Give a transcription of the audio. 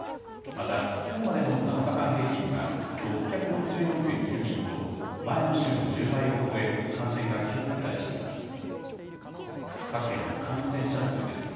また、きょうまでの７日間平均は６６４．９人と前の週の１０倍を超え感染が急拡大しています。